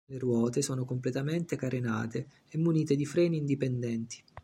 Le ruote sono completamente carenate e munite di freni indipendenti.